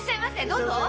どうぞ！